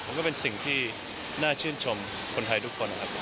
ก็เป็นสิ่งที่น่าชื่นชมคนไทยทุกคนนะครับ